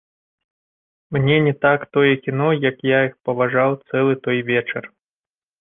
Мне не так тое кіно, як я іх паважаў цэлы той вечар.